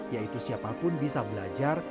yaitu siapapun bisa belajar